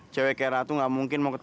tak ada yang nggak ngerti